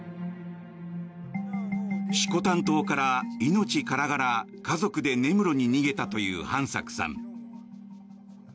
色丹島から命からがら家族で根室に逃げたという飯作さん。